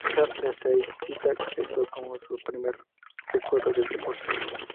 Su hija Tracey cita esto como su primer recuerdo del deporte.